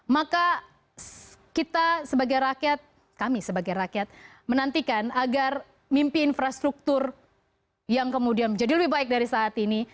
maka kita sebagai rakyat kami sebagai rakyat menantikan agar mimpi infrastruktur yang kemudian menjadi lebih baik dari saat ini